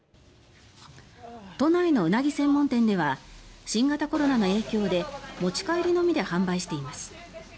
都内のウナギ専門店では新型コロナの影響で持ち帰りのみで販売しています。